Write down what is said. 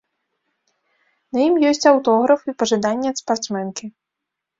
На ім ёсць аўтограф і пажаданне ад спартсменкі.